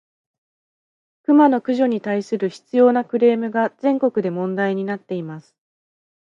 クマの駆除に対する執拗（しつよう）なクレームが、全国で問題になっています。